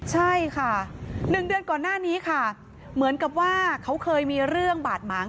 ใช่ค่ะ๑เดือนก่อนหน้านี้ค่ะเหมือนกับว่าเขาเคยมีเรื่องบาดหมาง